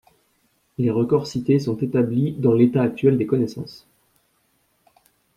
Les records cités sont établis dans l'état actuel des connaissances.